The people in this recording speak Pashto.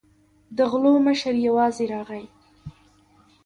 د غلو مشر یوازې راغی.